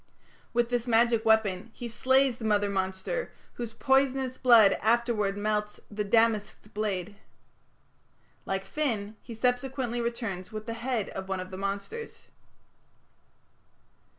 With this magic weapon he slays the mother monster, whose poisonous blood afterwards melts the "damasked blade". Like Finn, he subsequently returns with the head of one of the monsters.